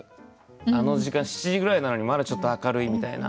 あの時間７時ぐらいなのにまだちょっと明るいみたいな。